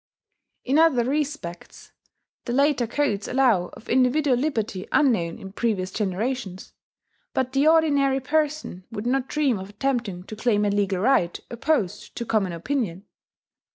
In other respects the later codes allow of individual liberty unknown in previous generations. But the ordinary person would not dream of attempting to claim a legal right opposed to common opinion.